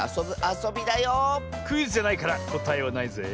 クイズじゃないからこたえはないぜ。